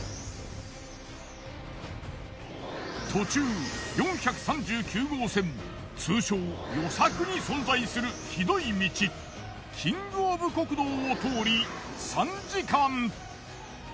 途中４３９号線通称ヨサクに存在する酷い道キングオブ酷道を通り３時間。